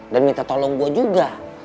dan minta tolong gue juga